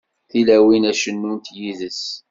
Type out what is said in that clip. Tilawin ad cennunt yid-s.